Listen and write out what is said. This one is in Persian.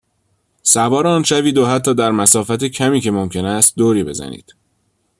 سوار آن شوید و حتی در مسافت کمی که ممکن است دوری بزنید.